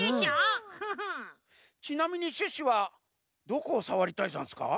ちなみにシュッシュはどこをさわりたいざんすか？